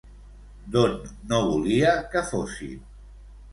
D'on no volia que fossin?